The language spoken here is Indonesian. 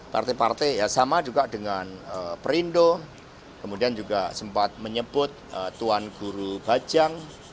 parte parte yang sama juga dengan perindo kemudian juga sempat menyebut tuan guru bajang